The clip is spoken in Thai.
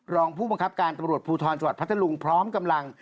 รองผู้บังคับการตำรวจภูทรจังหวัดพัทธลุงพร้อมกำลัง